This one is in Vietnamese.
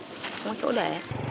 không có chỗ để